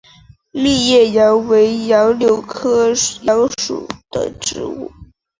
密叶杨为杨柳科杨属的植物。